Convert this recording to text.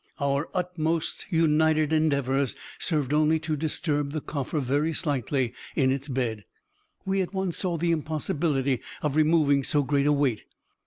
Our utmost united endeavors served only to disturb the coffer very slightly in its bed. We at once saw the impossibility of removing so great a weight.